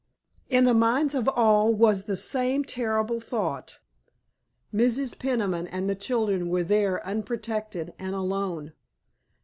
In the minds of all was the same terrible thought. Mrs. Peniman and the children were there unprotected and alone.